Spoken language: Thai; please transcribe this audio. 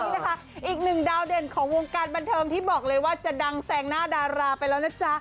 นี่นะคะอีกหนึ่งดาวเด่นของวงการบันเทิงที่บอกเลยว่าจะดังแซงหน้าดาราไปแล้วนะจ๊ะ